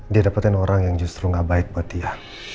dia dapetin orang yang justru gak baik buat dia